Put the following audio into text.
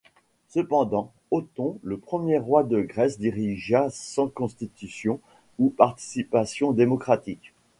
Cependant, Othon, le premier roi de Grèce dirigea sans Constitution ou participation démocratique.